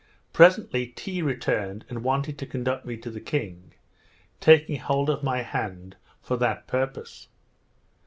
Presently Tee returned, and wanted to conduct me to the king, taking hold of my hand for that purpose.